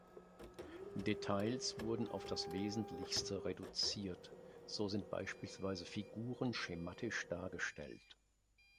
Details wurden auf das Wesentlichste reduziert, so sind beispielsweise Figuren schematisch dargestellt.